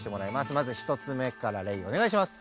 まず１つ目からレイおねがいします。